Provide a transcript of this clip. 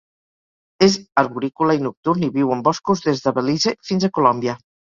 És arborícola i nocturn i viu en boscos des de Belize fins a Colòmbia.